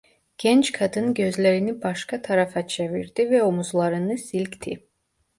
Genç kadın gözlerini başka tarafa çevirdi ve omuzlarını silkti.